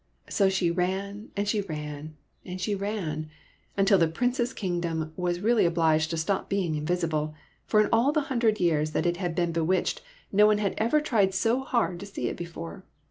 So she ran and she ran and she ran, until the Prince's kingdom was really obliged to stop being invisible, for in all the hundred years that it had been bewitched no one had ever tried so hard to see it before.